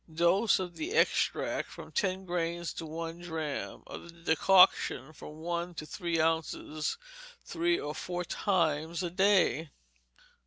Dose, of the extract, from ten grains to one drachm; of the decoction from one to three ounces, three or four times a day.